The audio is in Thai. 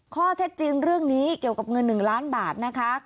ข้อเท็จจริงเรื่องนี้เกี่ยวกับเงิน๑ล้านบาทนะคะ